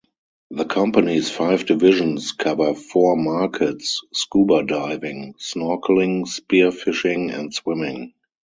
The company's five divisions cover four markets-scuba diving, snorkeling, spearfishing and swimming.